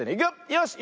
よし。